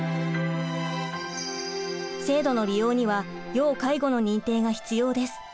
制度の利用には要介護の認定が必要です。